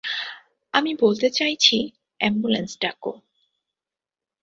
আমি বলতে চাইছি এম্বুলেন্স ডাক।